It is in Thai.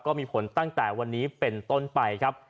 ก็มีผลตั้งแต่วันนี้เป็นต้นไปครับ